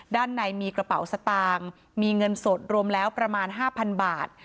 ด้านในมีกระเป๋าสตางค์มีเงินสดรวมแล้วประมาณ๕๐๐บาท